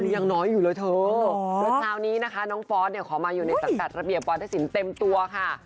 เหลืองักน้อยอยู่เลยเถอะแล้วเช้านี้นะคะน้องฟอสศิษย์ขอมาอยู่ในสถานกรรมระบิปวัตถสินเต็มตัวค่ะ